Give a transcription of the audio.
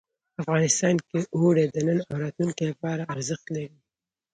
افغانستان کې اوړي د نن او راتلونکي لپاره ارزښت لري.